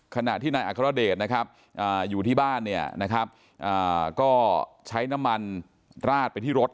ขณะที่นายอัครเดชอยู่ที่บ้านก็ใช้น้ำมันราดไปที่รถ